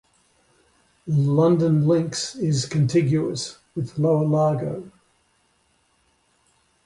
Lundin Links is contiguous with Lower Largo.